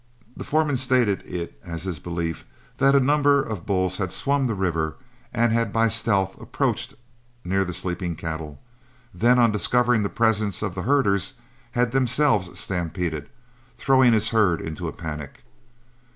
The foreman stated it as his belief that a number of bulls had swum the river and had by stealth approached near the sleeping cattle, then, on discovering the presence of the herders, had themselves stampeded, throwing his herd into a panic.